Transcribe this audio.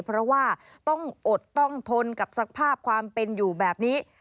เพราะว่าต้องอดต้องทนกับสภาพความเป็นอยู่แบบนี้